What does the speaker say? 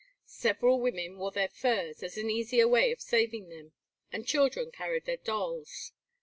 Several women wore their furs, as an easier way of saving them, and children carried their dolls.